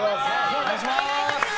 よろしくお願いします。